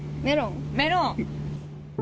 メロン？